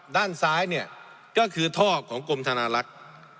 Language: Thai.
ด้านซ้ายเนี่ยก็คือท่อของกรมธนาลักษณ์